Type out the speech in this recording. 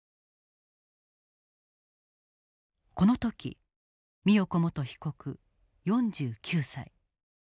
この時美代子元被告４９歳。